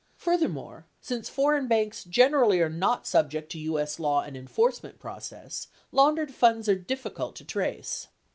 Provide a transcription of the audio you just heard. Furthermore, since foreign banks generally are not subject to U.S. law and enforcement process, laun dered funds are difficult to trace.